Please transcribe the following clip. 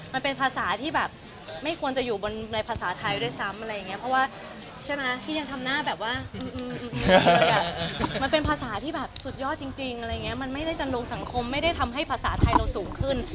มันเป็นภาษาที่สุดยอดจริงมันไม่ได้จันโลกสังคมไม่ได้ทำให้ภาษาไทยเราสูงขึ้น